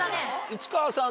市川さん